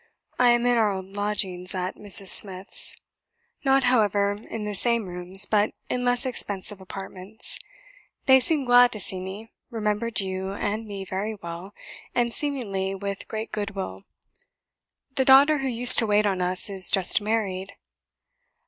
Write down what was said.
"I am in our old lodgings at Mrs. Smith's; not, however, in the same rooms, but in less expensive apartments. They seemed glad to see me, remembered you and me very well, and, seemingly, with great good will. The daughter who used to wait on us is just married.